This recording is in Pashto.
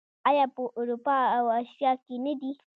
آیا په اروپا او اسیا کې نه دي؟